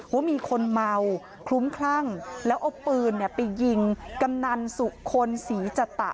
ว่ามีคนเมาคลุ้มคลั่งแล้วเอาปืนไปยิงกำนันสุคลศรีจตะ